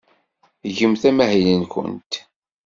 Gemt amahil-nwent.